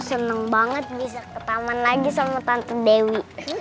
ya tante seneng banget bisa ke taman lagi sama tante dewi